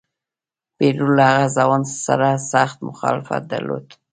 پیرو له هغه ځوان سره سخت مخالفت درلود.